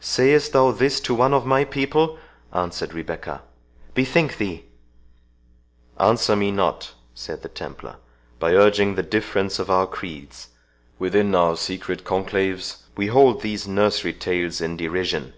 "Sayest thou this to one of my people?" answered Rebecca. "Bethink thee—" "Answer me not," said the Templar, "by urging the difference of our creeds; within our secret conclaves we hold these nursery tales in derision.